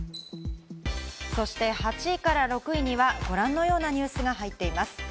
そして８位から６位には、ご覧のようなニュースが入っています。